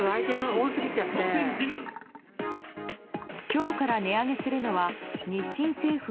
今日から値上げするのは日清製粉